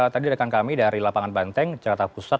tadi rekan kami dari lapangan banteng jakarta pusat